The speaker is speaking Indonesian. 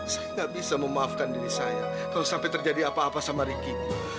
saya nggak bisa memaafkan diri saya kalau sampai terjadi apa apa sama riki